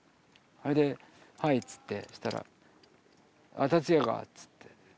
それで「はい」っつってそしたら「ああ竜也か」っつって。